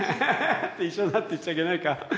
って一緒になって言っちゃいけないか。